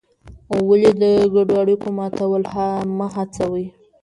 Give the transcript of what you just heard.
ولې د ګډو اړیکو ماتول مه هڅوې؟